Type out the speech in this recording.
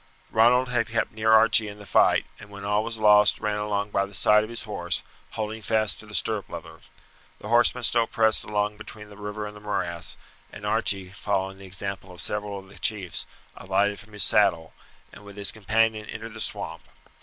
Ronald had kept near Archie in the fight, and when all was lost ran along by the side of his horse, holding fast to the stirrup leather. The horsemen still pressed along between the river and the morass, and Archie, following the example of several of the chiefs, alighted from his saddle, and with his companion entered the swamp.